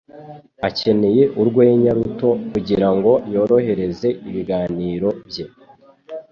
Akeneye urwenya ruto kugirango yorohereze ibiganiro bye.